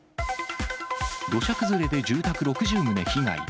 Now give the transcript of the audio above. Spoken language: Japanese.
土砂崩れで住宅６０棟被害。